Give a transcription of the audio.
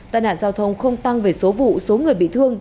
tai nạn giao thông không tăng về số vụ số người bị thương